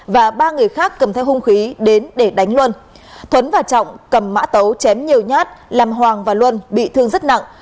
và ba người khác cầm theo hung khí đến để đánh luân thuấn và trọng cầm mã tấu chém nhiều nhát làm hoàng và luân bị thương rất nặng